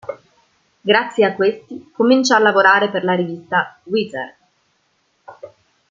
Grazie a questi, comincia a lavorare per la rivista "Wizard".